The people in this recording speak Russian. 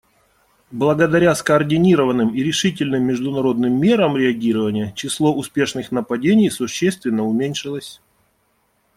Благодаря скоординированным и решительным международным мерам реагирования число успешных нападений существенно уменьшилось.